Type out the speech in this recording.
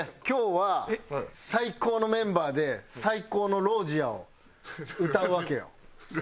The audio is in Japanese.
今日は最高のメンバーで最高の『ＲＯＳＩＥＲ』を歌うわけよ。